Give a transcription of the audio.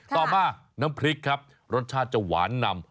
ต่อมาน้ำพริกครับรสชาติจะหวานนำ